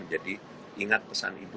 jadi ingat pesan ibu